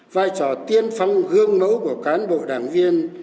vai trò tiên phong gương mẫu của cán bộ đảng viên